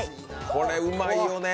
これ、うまいよね。